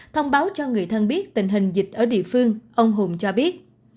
thông báo cho người thân biết tình hình dịch ở địa phương ông hùng cho biết